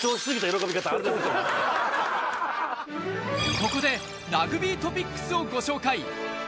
ここでラグビートピックスをご紹介。